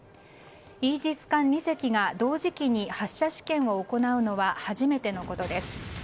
イージス艦２隻が同時期に発射試験を行うのは初めてのことです。